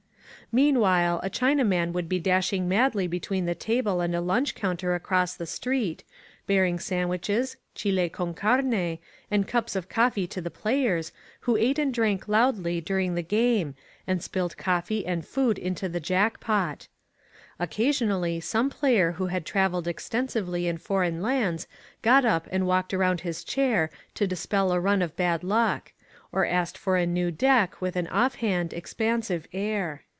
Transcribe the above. Meanwhile a Chinaman would be dashing madly be tween the table and a lunch counter across the street, bearing sandwiches, chUe con came, and cups of cof fee to the players, who ate and drank loudly during the game, and spilled coffee and food into the jack pot. Occasionally some player who had traveled exten sively in foreign lands got up and walked around his chair to dispel a run of bad luck; or asked for a new deck with an off hand, expensive air.